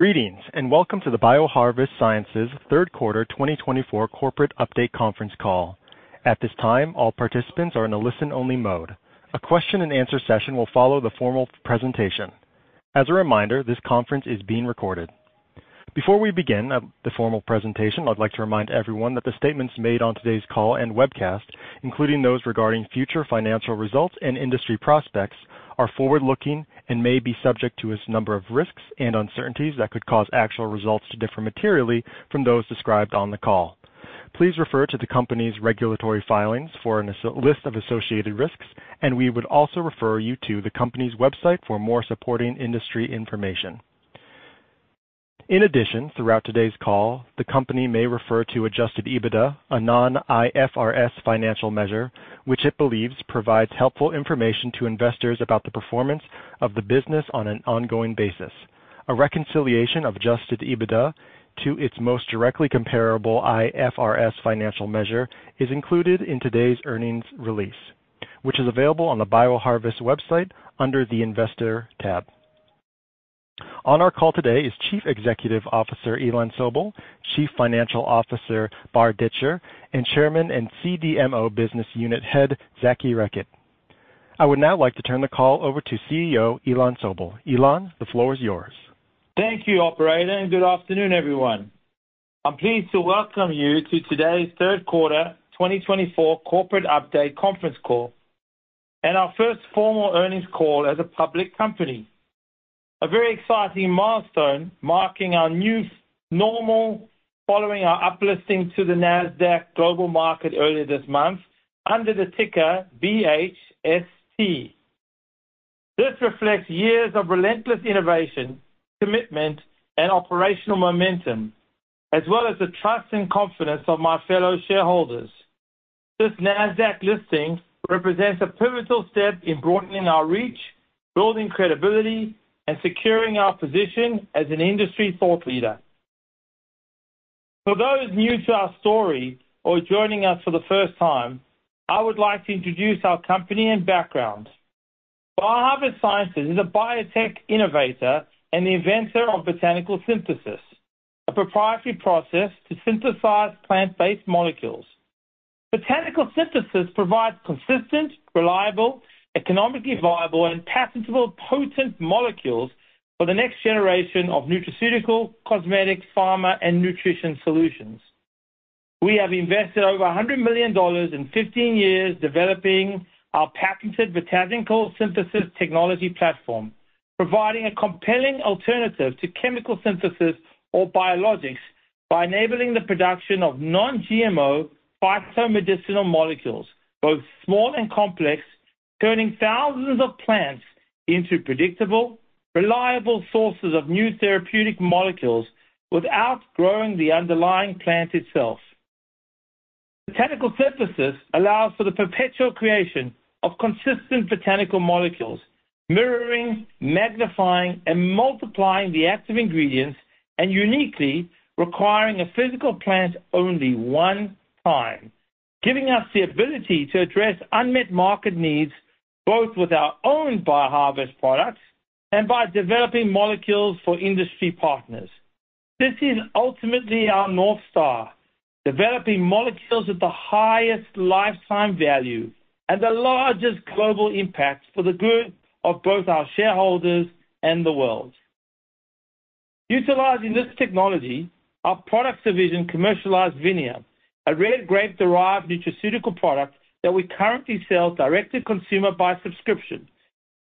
Greetings and welcome to the BioHarvest Sciences Third Quarter 2024 Corporate Update Conference call. At this time, all participants are in a listen-only mode. A question-and-answer session will follow the formal presentation. As a reminder, this conference is being recorded. Before we begin the formal presentation, I'd like to remind everyone that the statements made on today's call and webcast, including those regarding future financial results and industry prospects, are forward-looking and may be subject to a number of risks and uncertainties that could cause actual results to differ materially from those described on the call. Please refer to the company's regulatory filings for a list of associated risks, and we would also refer you to the company's website for more supporting industry information. In addition, throughout today's call, the company may refer to Adjusted EBITDA, a non-IFRS financial measure, which it believes provides helpful information to investors about the performance of the business on an ongoing basis. A reconciliation of Adjusted EBITDA to its most directly comparable IFRS financial measure is included in today's earnings release, which is available on the BioHarvest website under the Investor tab. On our call today is Chief Executive Officer Ilan Sobel, Chief Financial Officer Bar Dichter, and Chairman and CDMO Business Unit Head Zaki Rakib. I would now like to turn the call over to CEO Ilan Sobel. Ilan, the floor is yours. Thank you, Operator, and good afternoon, everyone. I'm pleased to welcome you to today's Third Quarter 2024 Corporate Update Conference call and our first formal earnings call as a public company. A very exciting milestone marking our new normal following our uplisting to the NASDAQ Global Market earlier this month under the ticker BHST. This reflects years of relentless innovation, commitment, and operational momentum, as well as the trust and confidence of my fellow shareholders. This NASDAQ listing represents a pivotal step in broadening our reach, building credibility, and securing our position as an industry thought leader. For those new to our story or joining us for the first time, I would like to introduce our company and background. BioHarvest Sciences is a biotech innovator and the inventor of botanical synthesis, a proprietary process to synthesize plant-based molecules. Botanical synthesis provides consistent, reliable, economically viable, and patentable potent molecules for the next generation of nutraceutical, cosmetic, pharma, and nutrition solutions. We have invested over $100 million in 15 years developing our patented botanical synthesis technology platform, providing a compelling alternative to chemical synthesis or biologics by enabling the production of non-GMO phytomedicinal molecules, both small and complex, turning thousands of plants into predictable, reliable sources of new therapeutic molecules without growing the underlying plant itself. Botanical synthesis allows for the perpetual creation of consistent botanical molecules, mirroring, magnifying, and multiplying the active ingredients, and uniquely requiring a physical plant only one time, giving us the ability to address unmet market needs both with our own BioHarvest products and by developing molecules for industry partners. This is ultimately our North Star, developing molecules with the highest lifetime value and the largest global impact for the good of both our shareholders and the world. Utilizing this technology, our product division commercialized VINIA, a red grape-derived nutraceutical product that we currently sell direct to consumer by subscription,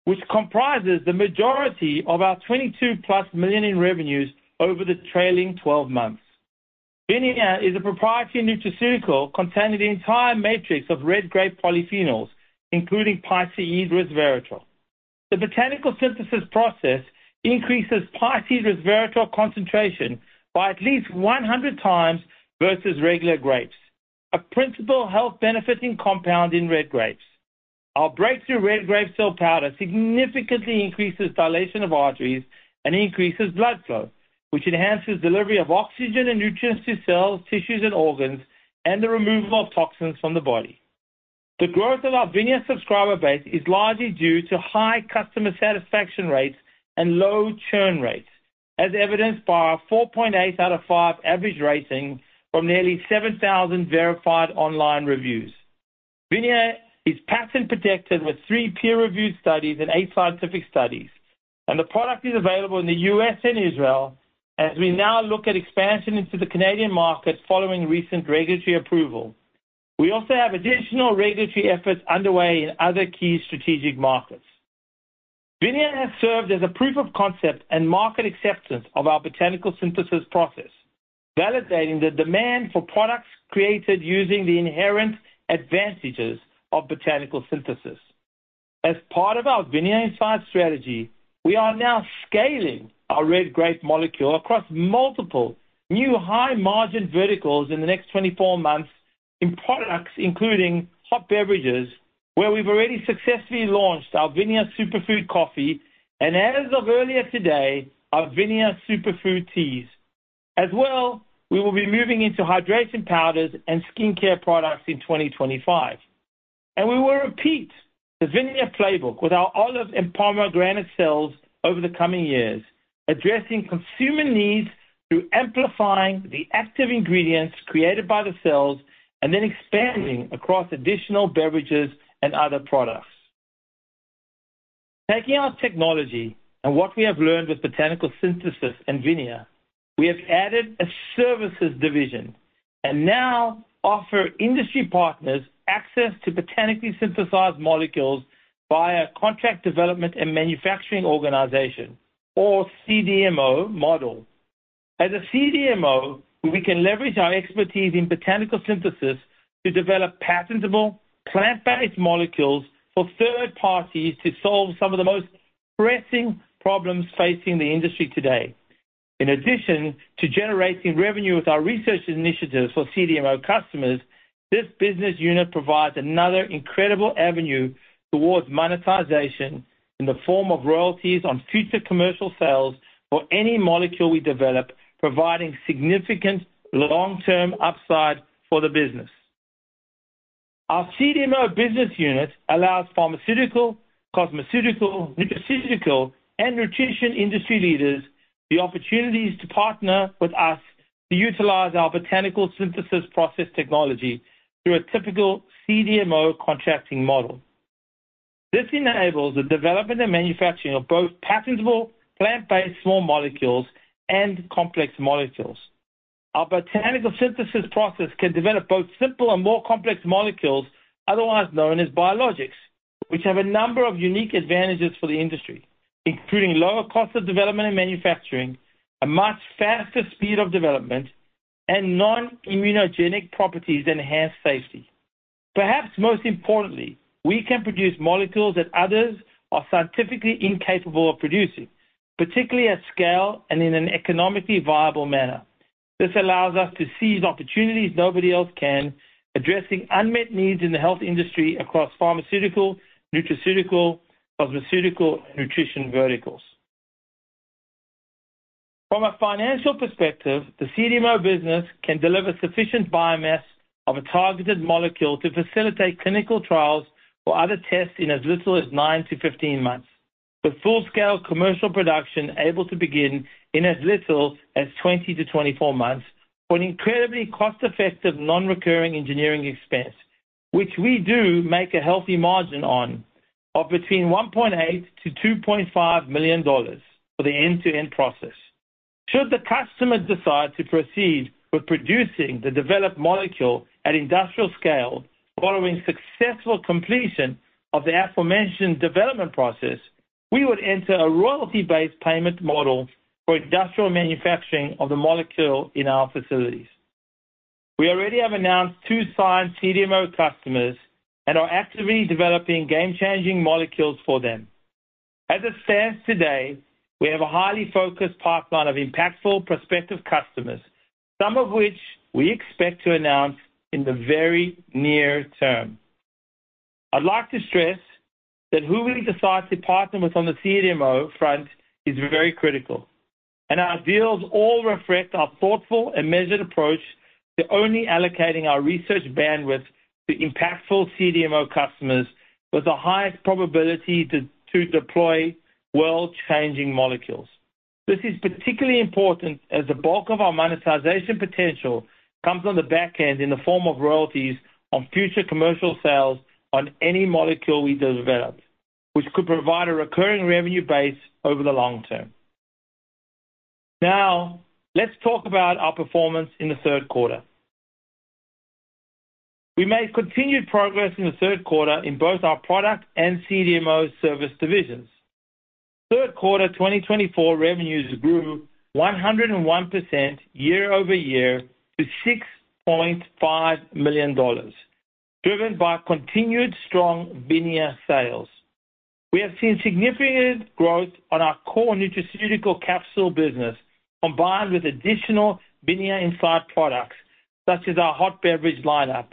which comprises the majority of our $22 plus million in revenues over the trailing 12 months. VINIA is a proprietary nutraceutical containing the entire matrix of red grape polyphenols, including Piceid Resveratrol. The botanical synthesis process increases Piceid Resveratrol concentration by at least 100 times versus regular grapes, a principal health-benefiting compound in red grapes. Our breakthrough red grape cell powder significantly increases dilation of arteries and increases blood flow, which enhances delivery of oxygen and nutrients to cells, tissues, and organs, and the removal of toxins from the body. The growth of our VINIA subscriber base is largely due to high customer satisfaction rates and low churn rates, as evidenced by our 4.8 out of 5 average rating from nearly 7,000 verified online reviews. VINIA is patent-protected with three peer-reviewed studies and eight scientific studies, and the product is available in the U.S. and Israel, as we now look at expansion into the Canadian market following recent regulatory approval. We also have additional regulatory efforts underway in other key strategic markets. VINIA has served as a proof of concept and market acceptance of our botanical synthesis process, validating the demand for products created using the inherent advantages of botanical synthesis. As part of our VINIA Inside strategy, we are now scaling our red grape molecule across multiple new high-margin verticals in the next 24 months in products including hot beverages, where we've already successfully launched our VINIA Superfood Coffee, and as of earlier today, our VINIA Superfood Teas. As well, we will be moving into hydration powders and skincare products in 2025. And we will repeat the VINIA playbook with our olive and pomegranate cells over the coming years, addressing consumer needs through amplifying the active ingredients created by the cells and then expanding across additional beverages and other products. Taking our technology and what we have learned with Botanical Synthesis and VINIA, we have added a services division and now offer industry partners access to botanically synthesized molecules via a contract development and manufacturing organization, or CDMO model. As a CDMO, we can leverage our expertise in botanical synthesis to develop patentable plant-based molecules for third parties to solve some of the most pressing problems facing the industry today. In addition to generating revenue with our research initiatives for CDMO customers, this business unit provides another incredible avenue towards monetization in the form of royalties on future commercial sales for any molecule we develop, providing significant long-term upside for the business. Our CDMO business unit allows pharmaceutical, cosmeceutical, nutraceutical, and nutrition industry leaders the opportunities to partner with us to utilize our botanical synthesis process technology through a typical CDMO contracting model. This enables the development and manufacturing of both patentable plant-based small molecules and complex molecules. Our botanical synthesis process can develop both simple and more complex molecules, otherwise known as biologics, which have a number of unique advantages for the industry, including lower cost of development and manufacturing, a much faster speed of development, and non-immunogenic properties that enhance safety. Perhaps most importantly, we can produce molecules that others are scientifically incapable of producing, particularly at scale and in an economically viable manner. This allows us to seize opportunities nobody else can, addressing unmet needs in the health industry across pharmaceutical, nutraceutical, cosmeceutical, and nutrition verticals. From a financial perspective, the CDMO business can deliver sufficient biomass of a targeted molecule to facilitate clinical trials or other tests in as little as nine to 15 months, with full-scale commercial production able to begin in as little as 20 to 24 months for an incredibly cost-effective non-recurring engineering expense, which we do make a healthy margin on of between $1.8 million-$2.5 million for the end-to-end process. Should the customer decide to proceed with producing the developed molecule at industrial scale following successful completion of the aforementioned development process, we would enter a royalty-based payment model for industrial manufacturing of the molecule in our facilities. We already have announced two signed CDMO customers and are actively developing game-changing molecules for them. As it stands today, we have a highly focused pipeline of impactful prospective customers, some of which we expect to announce in the very near term. I'd like to stress that who we decide to partner with on the CDMO front is very critical, and our deals all reflect our thoughtful and measured approach to only allocating our research bandwidth to impactful CDMO customers with the highest probability to deploy world-changing molecules. This is particularly important as the bulk of our monetization potential comes on the back end in the form of royalties on future commercial sales on any molecule we develop, which could provide a recurring revenue base over the long term. Now, let's talk about our performance in the third quarter. We made continued progress in the third quarter in both our product and CDMO service divisions. Third quarter 2024 revenues grew 101% year-over-year to $6.5 million, driven by continued strong VINIA sales. We have seen significant growth on our core nutraceutical capsule business combined with additional VINIA Inside products, such as our hot beverage lineup,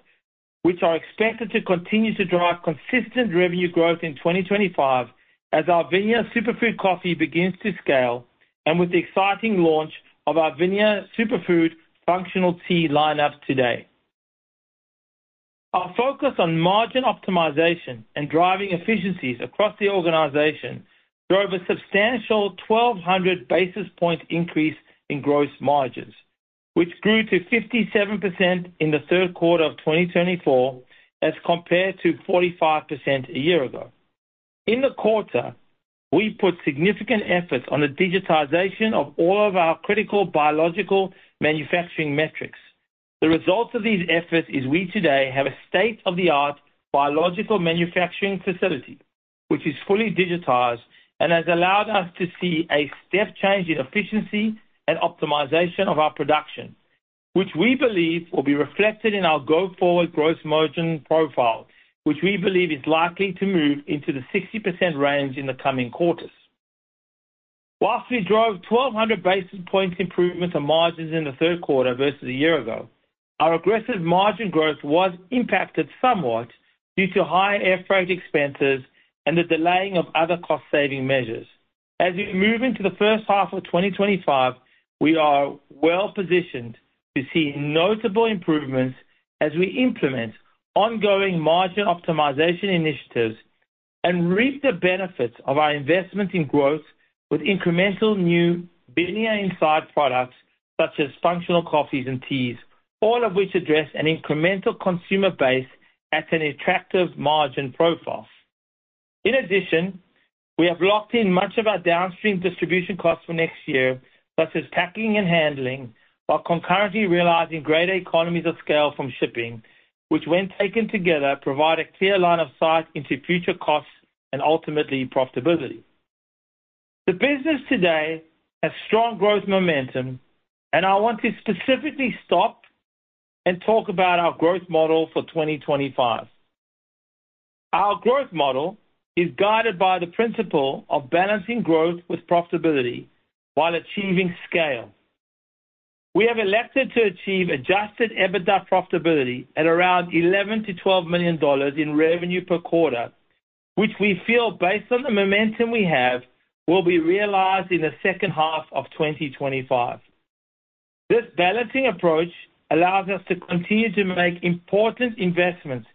which are expected to continue to drive consistent revenue growth in 2025 as our VINIA Superfood Coffee begins to scale and with the exciting launch of our VINIA Superfood functional tea lineup today. Our focus on margin optimization and driving efficiencies across the organization drove a substantial 1,200 basis point increase in gross margins, which grew to 57% in the third quarter of 2024 as compared to 45% a year ago. In the quarter, we put significant efforts on the digitization of all of our critical biological manufacturing metrics. The result of these efforts is we today have a state-of-the-art biological manufacturing facility, which is fully digitized and has allowed us to see a step change in efficiency and optimization of our production, which we believe will be reflected in our go-forward gross margin profile, which we believe is likely to move into the 60% range in the coming quarters. While we drove 1,200 basis points improvements of margins in the third quarter versus a year ago, our aggressive margin growth was impacted somewhat due to high air freight expenses and the delaying of other cost-saving measures. As we move into the first half of 2025, we are well positioned to see notable improvements as we implement ongoing margin optimization initiatives and reap the benefits of our investment in growth with incremental new VINIA Insight products, such as functional coffees and teas, all of which address an incremental consumer base at an attractive margin profile. In addition, we have locked in much of our downstream distribution costs for next year, such as packing and handling, while concurrently realizing greater economies of scale from shipping, which when taken together provide a clear line of sight into future costs and ultimately profitability. The business today has strong growth momentum, and I want to specifically stop and talk about our growth model for 2025. Our growth model is guided by the principle of balancing growth with profitability while achieving scale. We have elected to achieve Adjusted EBITDA profitability at around $11 million-$12 million in revenue per quarter, which we feel based on the momentum we have will be realized in the second half of 2025. This balancing approach allows us to continue to make important investments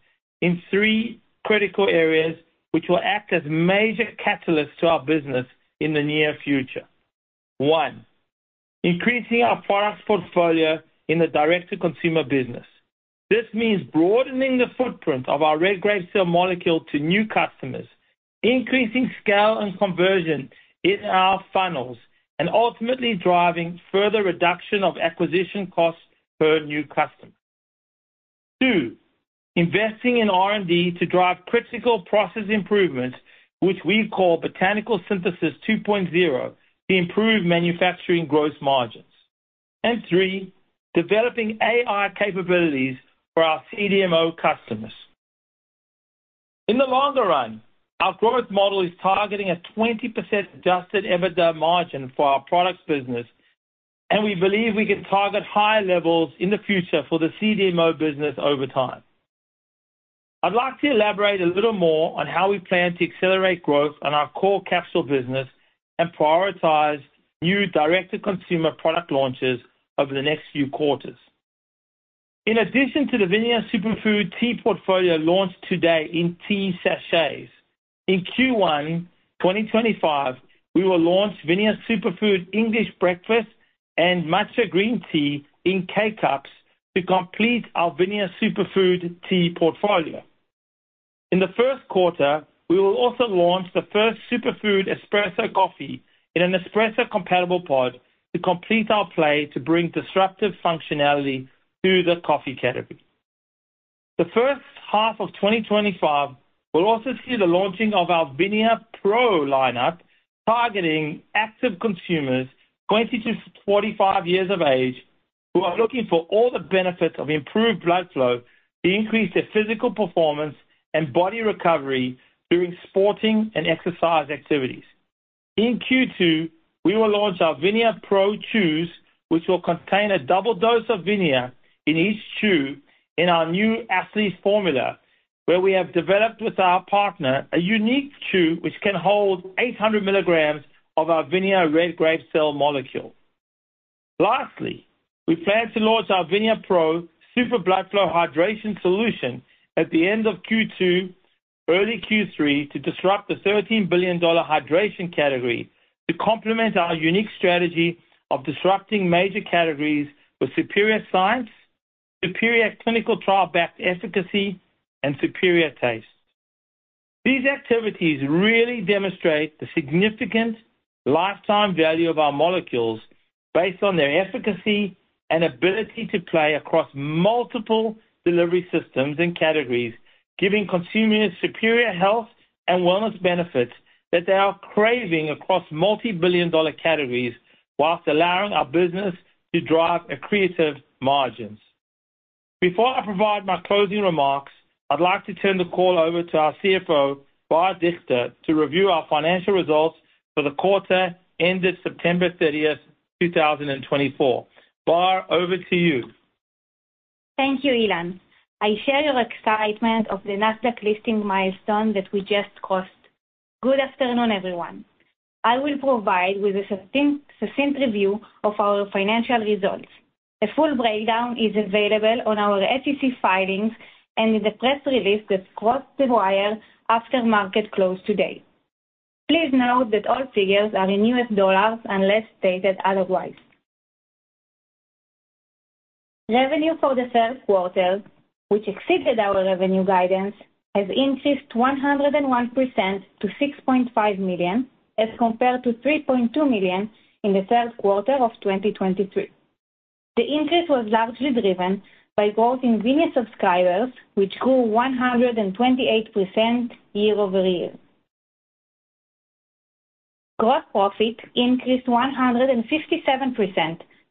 in three critical areas which will act as major catalysts to our business in the near future. One, increasing our product portfolio in the direct-to-consumer business. This means broadening the footprint of our red grape cell molecule to new customers, increasing scale and conversion in our funnels, and ultimately driving further reduction of acquisition costs per new customer. Two, investing in R&D to drive critical process improvements, which we call Botanical Synthesis 2.0, to improve manufacturing gross margins. And three, developing AI capabilities for our CDMO customers. In the longer run, our growth model is targeting a 20% Adjusted EBITDA margin for our products business, and we believe we can target higher levels in the future for the CDMO business over time. I'd like to elaborate a little more on how we plan to accelerate growth on our core capsule business and prioritize new direct-to-consumer product launches over the next few quarters. In addition to the VINIA Superfood tea portfolio launched today in tea sachets, in Q1 2025, we will launch VINIA Superfood English Breakfast and Matcha Green Tea in K-Cups to complete our VINIA Superfood tea portfolio. In the first quarter, we will also launch the first VINIA Superfood Espresso Coffee in an espresso-compatible pod to complete our play to bring disruptive functionality to the coffee category. The first half of 2025 will also see the launching of our VINIA Pro lineup targeting active consumers 20-45 years of age who are looking for all the benefits of improved blood flow to increase their physical performance and body recovery during sporting and exercise activities. In Q2, we will launch our VINIA Pro Chews, which will contain a double dose of VINIA in each chew in our new athlete formula, where we have developed with our partner a unique chew which can hold 800 milligrams of our VINIA red grape cell molecule. Lastly, we plan to launch our VINIA Pro Super Blood Flow Hydration Solution at the end of Q2, early Q3, to disrupt the $13 billion hydration category to complement our unique strategy of disrupting major categories with superior science, superior clinical trial-backed efficacy, and superior taste. These activities really demonstrate the significant lifetime value of our molecules based on their efficacy and ability to play across multiple delivery systems and categories, giving consumers superior health and wellness benefits that they are craving across multi-billion-dollar categories while allowing our business to drive accretive margins. Before I provide my closing remarks, I'd like to turn the call over to our CFO, Bar Dichter, to review our financial results for the quarter ended September 30th 2024. Bar, over to you. Thank you, Ilan. I share your excitement of the NASDAQ listing milestone that we just crossed. Good afternoon, everyone. I will provide with a succinct review of our financial results. A full breakdown is available on our SEC filings and in the press release that crossed the wire after market close today. Please note that all figures are in US dollars unless stated otherwise. Revenue for the third quarter, which exceeded our revenue guidance, has increased 101% to $6.5 million as compared to $3.2 million in the third quarter of 2023. The increase was largely driven by growth in VINIA subscribers, which grew 128% year-over-year. Gross profit increased 157%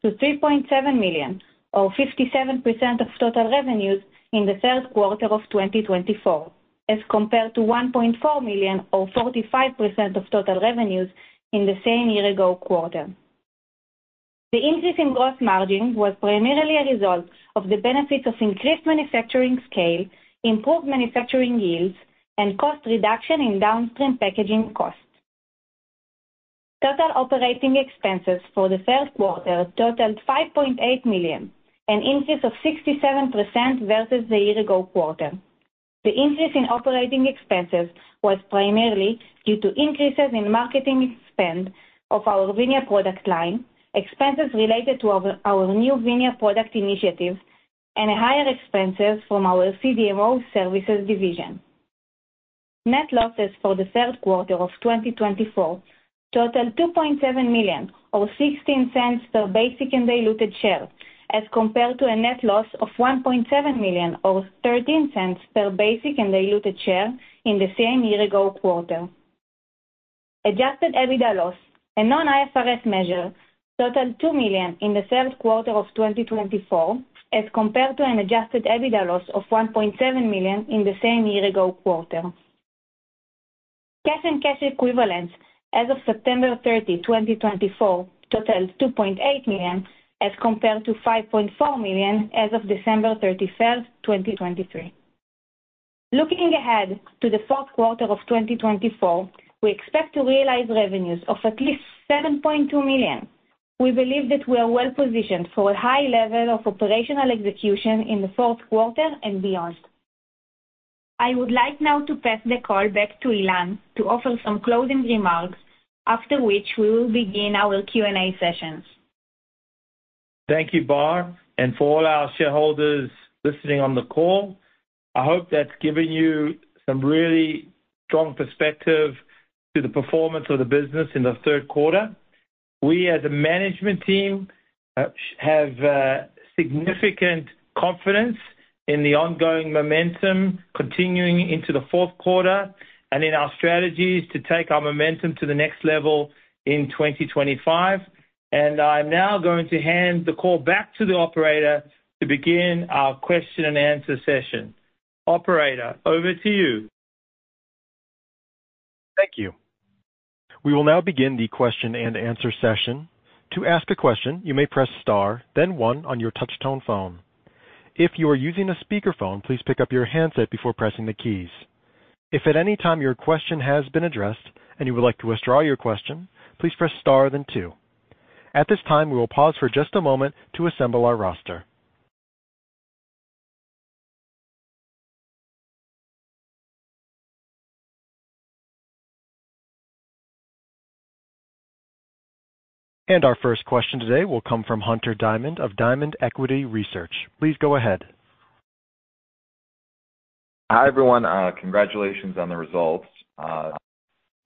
to $3.7 million, or 57% of total revenues in the third quarter of 2024, as compared to $1.4 million, or 45% of total revenues in the same year-ago quarter. The increase in gross margin was primarily a result of the benefits of increased manufacturing scale, improved manufacturing yields, and cost reduction in downstream packaging costs. Total operating expenses for the third quarter totaled $5.8 million, an increase of 67% versus the year-ago quarter. The increase in operating expenses was primarily due to increases in marketing expense of our VINIA product line, expenses related to our new VINIA product initiatives, and higher expenses from our CDMO services division. Net losses for the third quarter of 2024 totaled $2.7 million, or $0.16 per basic and diluted share, as compared to a net loss of $1.7 million, or $0.13 per basic and diluted share in the same year-ago quarter. Adjusted EBITDA loss, a non-IFRS measure, totaled $2 million in the third quarter of 2024, as compared to an adjusted EBITDA loss of $1.7 million in the same year-ago quarter. Cash and cash equivalents as of September 30, 2024, totaled $2.8 million, as compared to $5.4 million as of December 31, 2023. Looking ahead to the fourth quarter of 2024, we expect to realize revenues of at least $7.2 million. We believe that we are well positioned for a high level of operational execution in the fourth quarter and beyond. I would like now to pass the call back to Ilan to offer some closing remarks, after which we will begin our Q&A sessions. Thank you, Bar, and for all our shareholders listening on the call. I hope that's given you some really strong perspective to the performance of the business in the third quarter. We, as a management team, have significant confidence in the ongoing momentum continuing into the fourth quarter and in our strategies to take our momentum to the next level in 2025, and I'm now going to hand the call back to the operator to begin our question and answer session. Operator, over to you. Thank you. We will now begin the question and answer session. To ask a question, you may press star, then one on your touch-tone phone. If you are using a speakerphone, please pick up your handset before pressing the keys. If at any time your question has been addressed and you would like to withdraw your question, please press star, then two. At this time, we will pause for just a moment to assemble our roster. And our first question today will come from Hunter Diamond of Diamond Equity Research. Please go ahead. Hi, everyone. Congratulations on the results.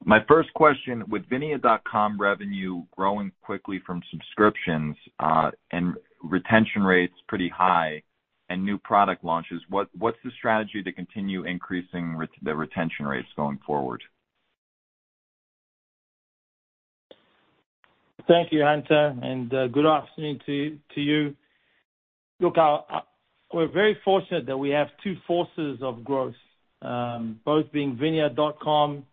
My first question: with VINIA.com revenue growing quickly from subscriptions and retention rates pretty high and new product launches, what's the strategy to continue increasing the retention rates going forward? Thank you, Hunter, and good afternoon to you. Look, we're very fortunate that we have two forces of growth, both being VINIA.com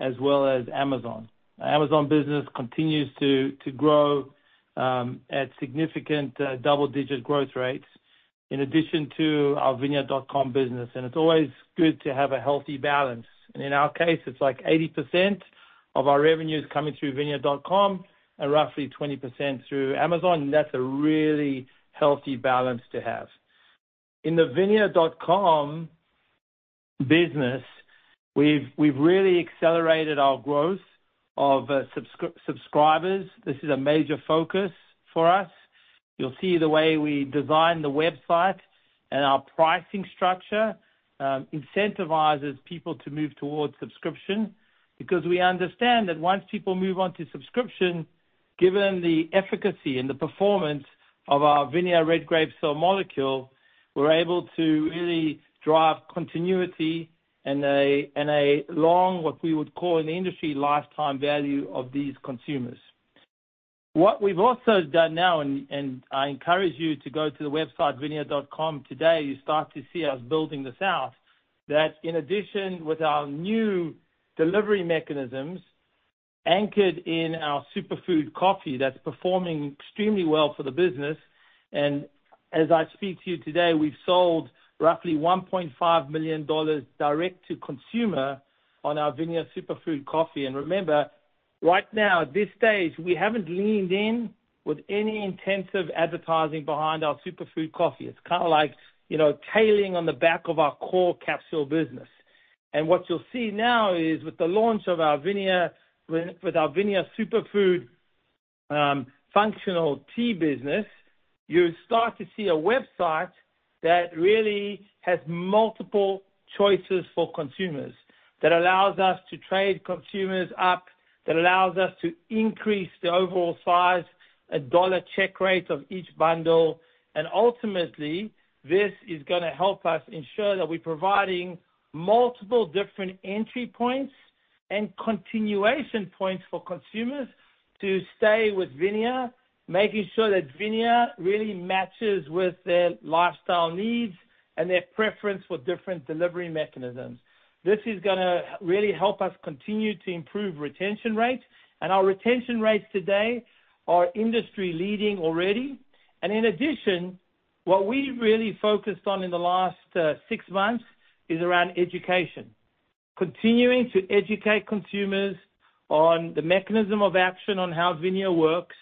as well as Amazon. Amazon business continues to grow at significant double-digit growth rates in addition to our VINIA.com business, and it's always good to have a healthy balance, and in our case, it's like 80% of our revenue is coming through VINIA.com and roughly 20% through Amazon, and that's a really healthy balance to have. In the VINIA.com business, we've really accelerated our growth of subscribers. This is a major focus for us. You'll see the way we design the website and our pricing structure incentivizes people to move towards subscription because we understand that once people move on to subscription, given the efficacy and the performance of our VINIA red grape cell molecule, we're able to really drive continuity and a long, what we would call in the industry, lifetime value of these consumers. What we've also done now, and I encourage you to go to the website VINIA.com today. You start to see us building this out, that in addition, with our new delivery mechanisms anchored in our superfood coffee, that's performing extremely well for the business. And as I speak to you today, we've sold roughly $1.5 million direct to consumer on our VINIA superfood coffee. And remember, right now, at this stage, we haven't leaned in with any intensive advertising behind our superfood coffee. It's kind of like tailing on the back of our core capsule business. And what you'll see now is with the launch of our VINIA superfood functional tea business, you start to see a website that really has multiple choices for consumers that allows us to trade consumers up, that allows us to increase the overall size and dollar check rate of each bundle. Ultimately, this is going to help us ensure that we're providing multiple different entry points and continuation points for consumers to stay with VINIA, making sure that VINIA really matches with their lifestyle needs and their preference for different delivery mechanisms. This is going to really help us continue to improve retention rates. Our retention rates today are industry-leading already. In addition, what we've really focused on in the last six months is around education, continuing to educate consumers on the mechanism of action, on how VINIA works,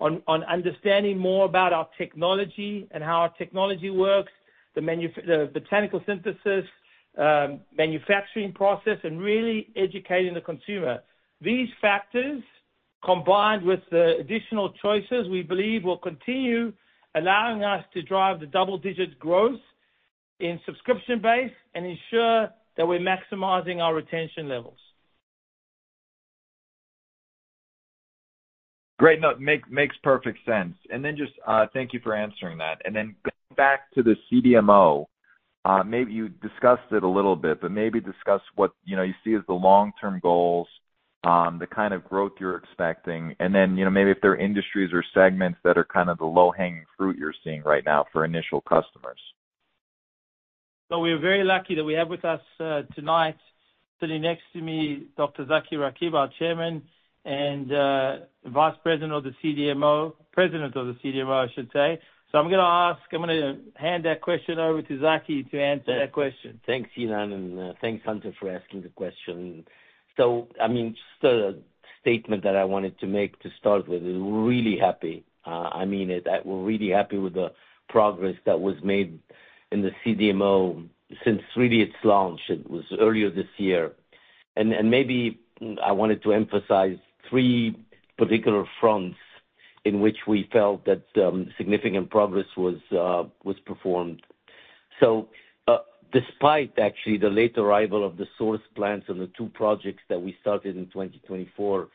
on understanding more about our technology and how our technology works, the Botanical Synthesis manufacturing process, and really educating the consumer. These factors, combined with the additional choices, we believe will continue allowing us to drive the double-digit growth in subscription base and ensure that we're maximizing our retention levels. Great note. Makes perfect sense. And then, just thank you for answering that. And then back to the CDMO, maybe you discussed it a little bit, but maybe discuss what you see as the long-term goals, the kind of growth you're expecting, and then maybe if there are industries or segments that are kind of the low-hanging fruit you're seeing right now for initial customers. So we are very lucky that we have with us tonight, sitting next to me, Dr. Zaki Rakib, our chairman and vice president of the CDMO, president of the CDMO, I should say. So I'm going to ask, I'm going to hand that question over to Zaki to answer that question. Thanks, Ilan, and thanks, Hunter, for asking the question. So I mean, just a statement that I wanted to make to start with, we're really happy. I mean, we're really happy with the progress that was made in the CDMO since really its launch. It was earlier this year, and maybe I wanted to emphasize three particular fronts in which we felt that significant progress was performed, so despite actually the late arrival of the source plants and the two projects that we started in 2024,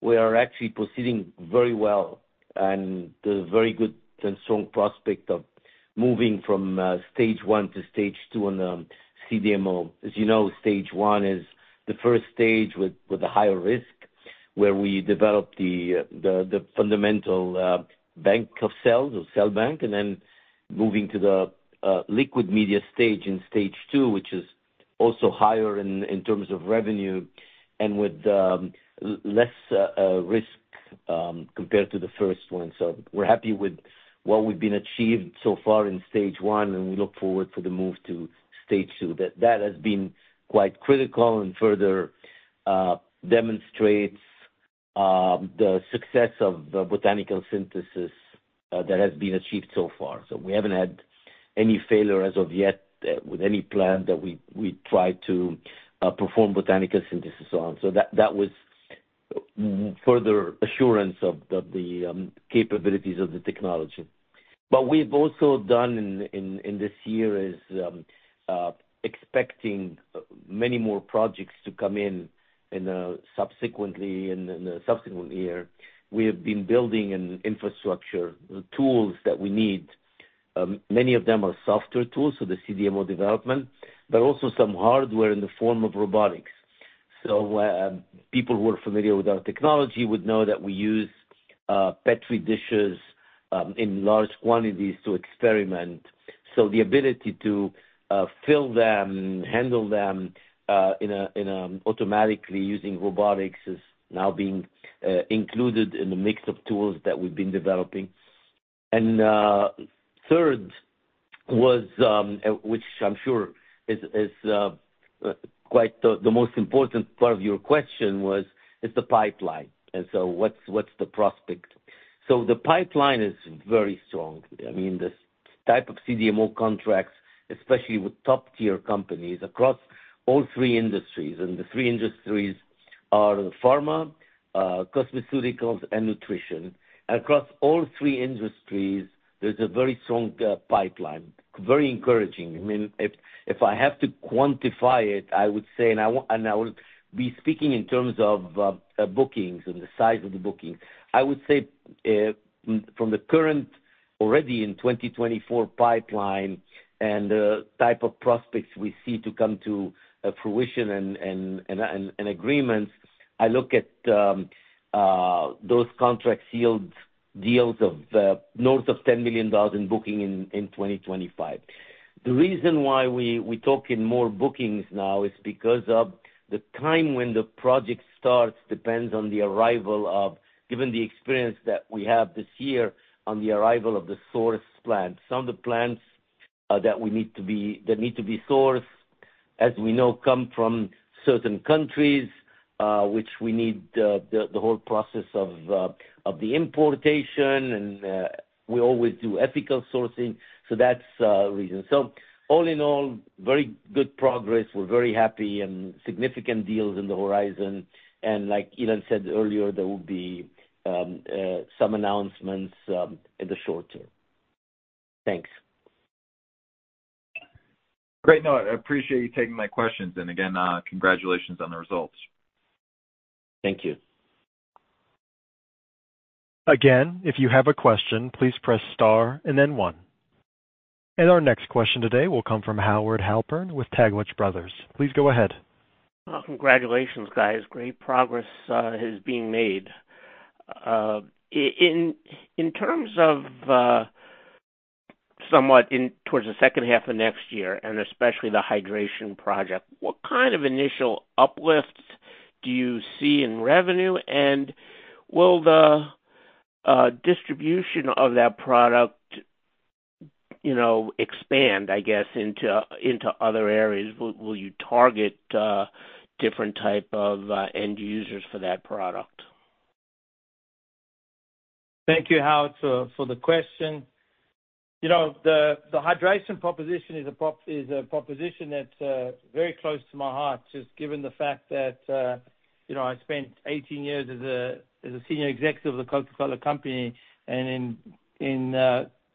we are actually proceeding very well and the very good and strong prospect of moving from stage one to stage two on the CDMO. As you know, stage one is the first stage with a higher risk where we develop the fundamental bank of cells or cell bank, and then moving to the liquid media stage in stage two, which is also higher in terms of revenue and with less risk compared to the first one. So we're happy with what we've achieved so far in stage one, and we look forward to the move to stage two. That has been quite critical and further demonstrates the success of the botanical synthesis that has been achieved so far. So we haven't had any failure as of yet with any plant that we tried to perform botanical synthesis on. So that was further assurance of the capabilities of the technology. But what we've also done in this year is expecting many more projects to come in subsequently in the subsequent year. We have been building an infrastructure, tools that we need. Many of them are software tools for the CDMO development, but also some hardware in the form of robotics. So people who are familiar with our technology would know that we use Petri dishes in large quantities to experiment. So the ability to fill them, handle them automatically using robotics is now being included in the mix of tools that we've been developing. And third was, which I'm sure is quite the most important part of your question, was the pipeline. And so what's the prospect? So the pipeline is very strong. I mean, this type of CDMO contracts, especially with top-tier companies across all three industries, and the three industries are pharma, cosmetics, and nutrition. Across all three industries, there's a very strong pipeline, very encouraging. I mean, if I have to quantify it, I would say, and I will be speaking in terms of bookings and the size of the bookings, I would say from the current already in 2024 pipeline and the type of prospects we see to come to fruition and agreements, I look at those contract sealed deals of north of $10 million in bookings in 2025. The reason why we're talking more bookings now is because of the time when the project starts depends on the arrival of, given the experience that we have this year on the arrival of the source plant. Some of the plants that we need that need to be sourced, as we know, come from certain countries, which we need the whole process of the importation, and we always do ethical sourcing. So that's the reason. So all in all, very good progress. We're very happy, and significant deals in the horizon. And like Ilan said earlier, there will be some announcements in the short term. Thanks. Great. No, I appreciate you taking my questions. And again, congratulations on the results. Thank you. Again, if you have a question, please press star and then one. And our next question today will come from Howard Halpern with Taglich Brothers. Please go ahead. Congratulations, guys. Great progress is being made. In terms of somewhat towards the second half of next year and especially the hydration project, what kind of initial uplifts do you see in revenue? And will the distribution of that product expand, I guess, into other areas? Will you target different types of end users for that product? Thank you, Howard, for the question. The hydration proposition is a proposition that's very close to my heart, just given the fact that I spent 18 years as a senior executive of the Coca-Cola Company. And in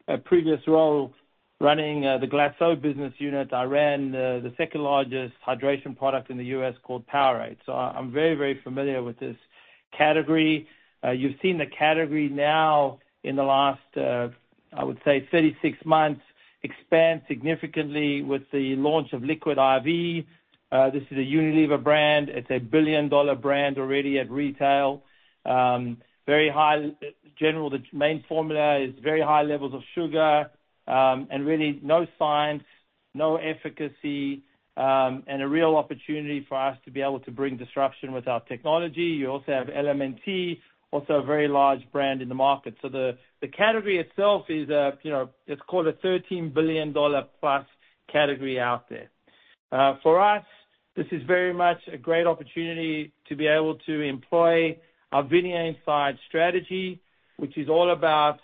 a previous role running the Glacéau business unit, I ran the second largest hydration product in the U.S. called Powerade. So I'm very, very familiar with this category. You've seen the category now in the last, I would say, 36 months expand significantly with the launch of Liquid I.V. This is a Unilever brand. It's a billion-dollar brand already at retail. Very high general main formula is very high levels of sugar and really no science, no efficacy, and a real opportunity for us to be able to bring disruption with our technology. You also have LMNT, also a very large brand in the market. So the category itself is, it's called a $13 billion plus category out there. For us, this is very much a great opportunity to be able to employ our VINIA Inside strategy, which is all about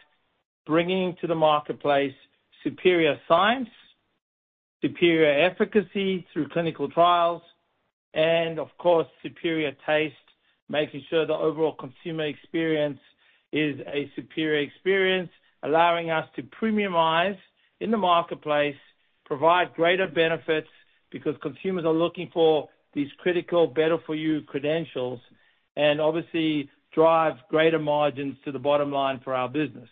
bringing to the marketplace superior science, superior efficacy through clinical trials, and of course, superior taste, making sure the overall consumer experience is a superior experience, allowing us to premiumize in the marketplace, provide greater benefits because consumers are looking for these critical better-for-you credentials, and obviously drive greater margins to the bottom line for our business.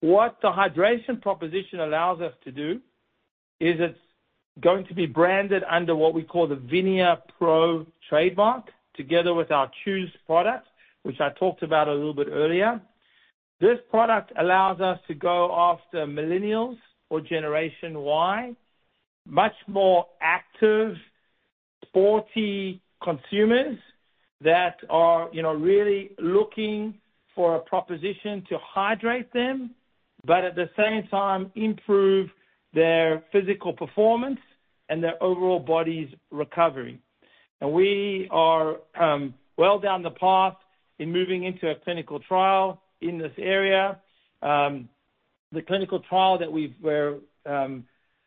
What the hydration proposition allows us to do is it's going to be branded under what we call the VINIA Pro trademark together with our Chews product, which I talked about a little bit earlier. This product allows us to go after millennials or Generation Y, much more active, sporty consumers that are really looking for a proposition to hydrate them, but at the same time improve their physical performance and their overall body's recovery. And we are well down the path in moving into a clinical trial in this area. The clinical trial that we're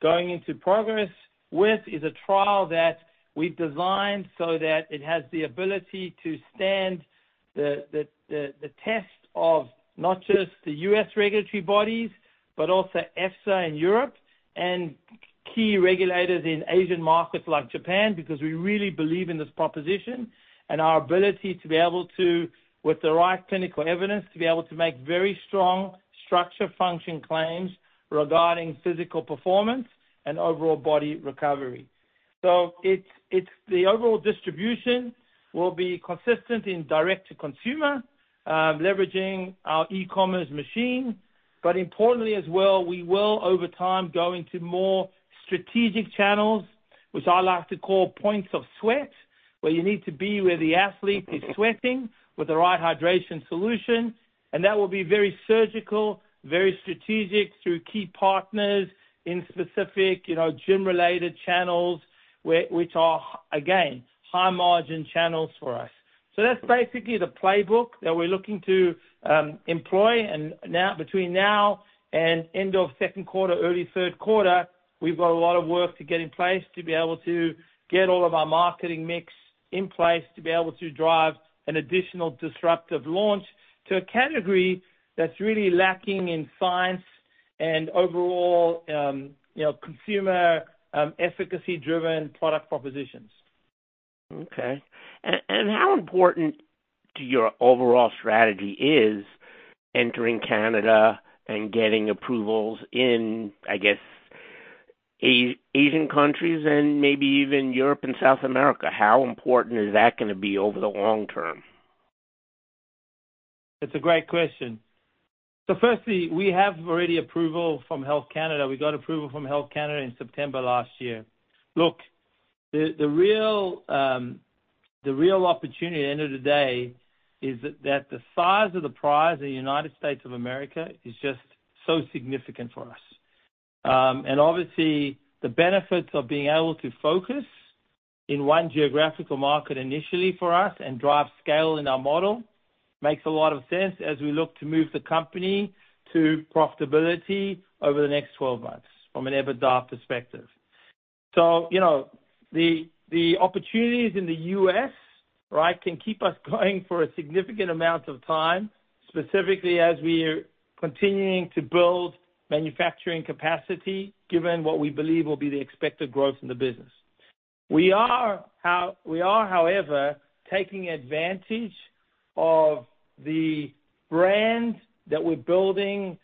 going into progress with is a trial that we've designed so that it has the ability to stand the test of not just the U.S. regulatory bodies, but also EFSA in Europe and key regulators in Asian markets like Japan because we really believe in this proposition and our ability to be able to, with the right clinical evidence, to be able to make very strong structure function claims regarding physical performance and overall body recovery. So the overall distribution will be consistent in direct-to-consumer, leveraging our e-commerce machine. But importantly as well, we will over time go into more strategic channels, which I like to call points of sweat, where you need to be where the athlete is sweating with the right hydration solution. And that will be very surgical, very strategic through key partners in specific gym-related channels, which are, again, high-margin channels for us. So that's basically the playbook that we're looking to employ. And between now and end of second quarter, early third quarter, we've got a lot of work to get in place to be able to get all of our marketing mix in place to be able to drive an additional disruptive launch to a category that's really lacking in science and overall consumer efficacy-driven product propositions. Okay. And how important to your overall strategy is entering Canada and getting approvals in, I guess, Asian countries and maybe even Europe and South America? How important is that going to be over the long term? It's a great question. So firstly, we have already approval from Health Canada. We got approval from Health Canada in September last year. Look, the real opportunity at the end of the day is that the size of the prize in the United States of America is just so significant for us. And obviously, the benefits of being able to focus in one geographical market initially for us and drive scale in our model makes a lot of sense as we look to move the company to profitability over the next 12 months from an EBITDA perspective. So the opportunities in the U.S., right, can keep us going for a significant amount of time, specifically as we are continuing to build manufacturing capacity given what we believe will be the expected growth in the business. We are, however, taking advantage of the brand that we're building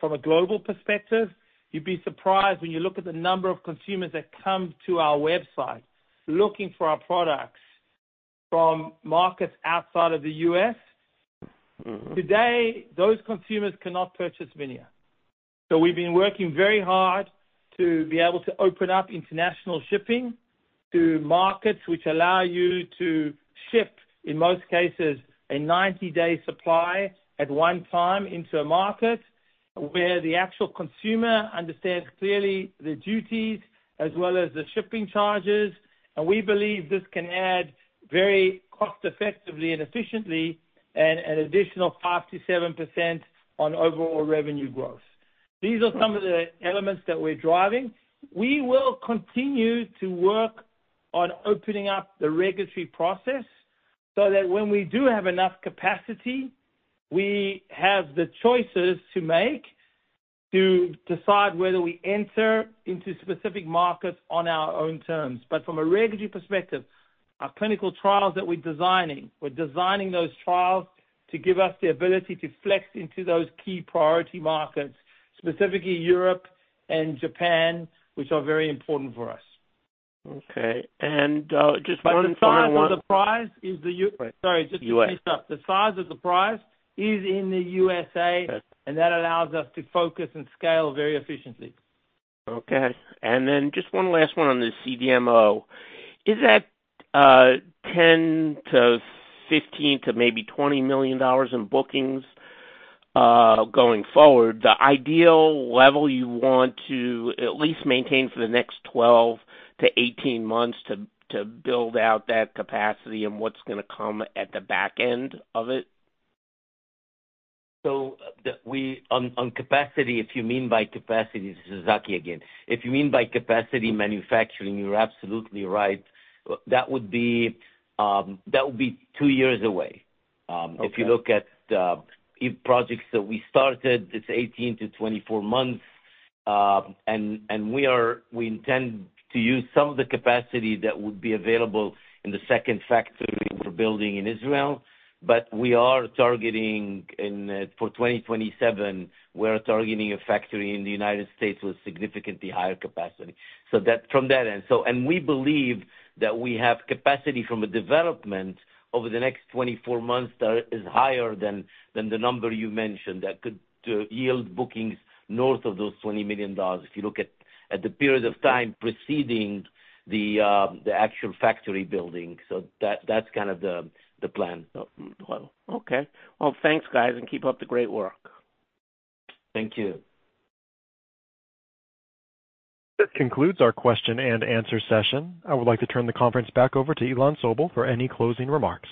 from a global perspective. You'd be surprised when you look at the number of consumers that come to our website looking for our products from markets outside of the U.S. Today, those consumers cannot purchase VINIA. So we've been working very hard to be able to open up international shipping to markets which allow you to ship, in most cases, a 90-day supply at one time into a market where the actual consumer understands clearly the duties as well as the shipping charges, and we believe this can add very cost-effectively and efficiently an additional 5%-7% on overall revenue growth. These are some of the elements that we're driving. We will continue to work on opening up the regulatory process so that when we do have enough capacity, we have the choices to make to decide whether we enter into specific markets on our own terms. But from a regulatory perspective, our clinical trials that we're designing, we're designing those trials to give us the ability to flex into those key priority markets, specifically Europe and Japan, which are very important for us. Okay. And just one final one. But the size of the prize is the U.S. Sorry, just to finish up. The size of the prize is in the USA, and that allows us to focus and scale very efficiently. Okay. And then just one last one on the CDMO. Is that $10million-$15 million, maybe $20 million in bookings going forward, the ideal level you want to at least maintain for the next 12-18 months to build out that capacity and what's going to come at the back end of it? So on capacity, if you mean by capacity, this is Zaki again. If you mean by capacity manufacturing, you're absolutely right. That would be two years away. If you look at projects that we started, it's 18-24 months. And we intend to use some of the capacity that would be available in the second factory we're building in Israel. But we are targeting for 2027, we're targeting a factory in the United States with significantly higher capacity. So from that end, and we believe that we have capacity from a development over the next 24 months that is higher than the number you mentioned that could yield bookings north of those $20 million. If you look at the period of time preceding the actual factory building, so that's kind of the plan. Okay. Well, thanks, guys, and keep up the great work. Thank you. That concludes our question and answer session. I would like to turn the conference back over to Ilan Sobel for any closing remarks.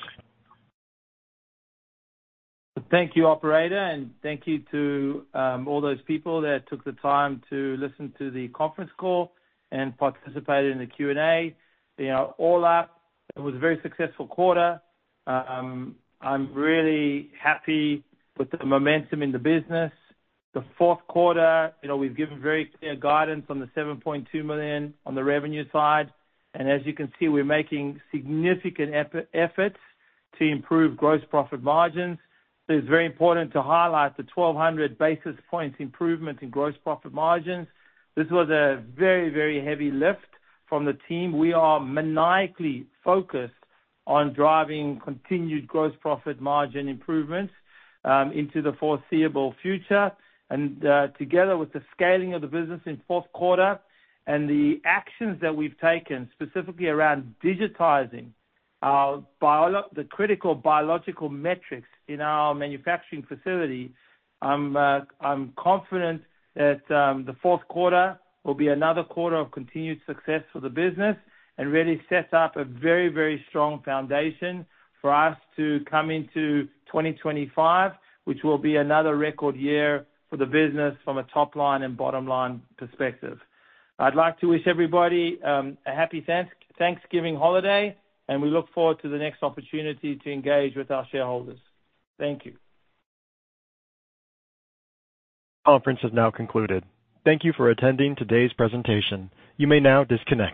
Thank you, Operator, and thank you to all those people that took the time to listen to the conference call and participated in the Q&A. All up, it was a very successful quarter. I'm really happy with the momentum in the business. The fourth quarter, we've given very clear guidance on the $7.2 million on the revenue side. And as you can see, we're making significant efforts to improve gross profit margins. It's very important to highlight the 1,200 basis points improvement in gross profit margins. This was a very, very heavy lift from the team. We are maniacally focused on driving continued gross profit margin improvements into the foreseeable future. And together with the scaling of the business in fourth quarter and the actions that we've taken specifically around digitizing the critical biological metrics in our manufacturing facility, I'm confident that the fourth quarter will be another quarter of continued success for the business and really set up a very, very strong foundation for us to come into 2025, which will be another record year for the business from a top-line and bottom-line perspective. I'd like to wish everybody a happy Thanksgiving holiday, and we look forward to the next opportunity to engage with our shareholders. Thank you. Conference has now concluded. Thank you for attending today's presentation. You may now disconnect.